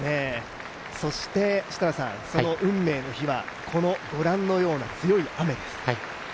そして設楽さん、その運命の日はご覧のような強い雨です。